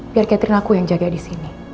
biar catherine aku yang jaga di sini